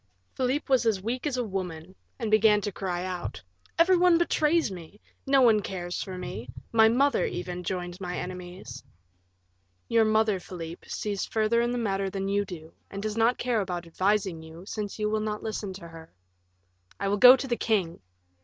Philip was as weak as a woman, and began to cry out, "Every one betrays me, no one cares for me; my mother, even, joins my enemies." "Your mother, Philip, sees further in the matter than you do, and does not care about advising you, since you will not listen to her." "I will go to the king."